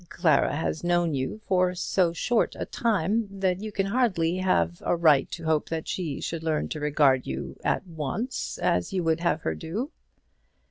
Clara has known you so very short a time, that you can hardly have a right to hope that she should learn to regard you at once as you would have her do."